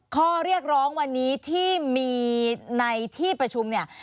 ข้อเรียกร้องวันนี้ที่มีในที่ประชุมเนี่ย